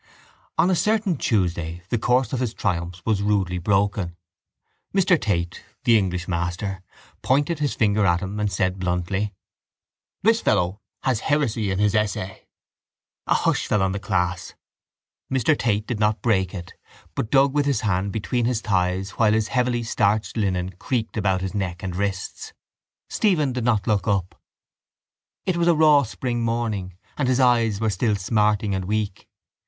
On a certain Tuesday the course of his triumphs was rudely broken. Mr Tate, the English master, pointed his finger at him and said bluntly: —This fellow has heresy in his essay. A hush fell on the class. Mr Tate did not break it but dug with his hand between his thighs while his heavily starched linen creaked about his neck and wrists. Stephen did not look up. It was a raw spring morning and his eyes were still smarting and weak.